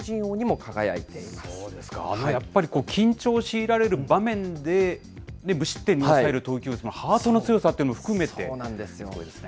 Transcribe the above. そうですか、やっぱり緊張を強いられる場面で無失点に抑える投球、ハートの強さというのも含めてすごいですね。